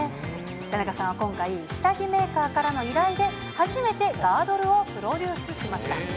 田中さんは今回、下着メーカーからの依頼で初めてガードルをプロデュースしました。